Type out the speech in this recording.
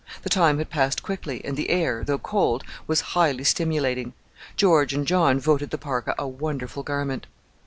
The time had passed quickly, and the air, though cold, was highly stimulating. George and John voted the parka a wonderful garment.